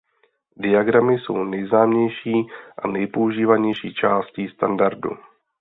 Diagramy jsou nejznámější a nejpoužívanější částí standardu.